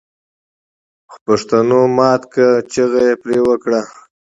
خوپښتنو مات کړ چيغه يې پرې وکړه